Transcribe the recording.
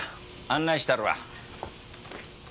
案内したるわ。